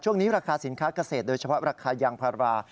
ช่วงนี้ราคาสินค้าเกษตรโดยเฉพาะราคายางพารา